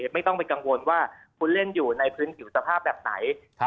ไม่ต้องไปกังวลว่าคุณเล่นอยู่ในพื้นผิวสภาพแบบไหน